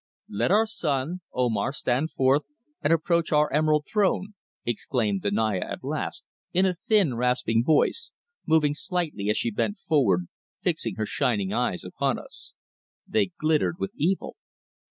"Let our son Omar stand forth and approach our Emerald Throne," exclaimed the Naya at last, in a thin, rasping voice, moving slightly as she bent forward, fixing her shining eyes upon us. They glittered with evil.